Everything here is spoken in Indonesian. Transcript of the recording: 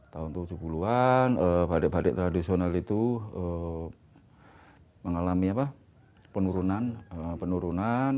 tahun tujuh puluh an batik batik tradisional itu mengalami penurunan